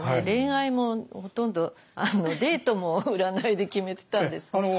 恋愛もほとんどデートも占いで決めてたんですね。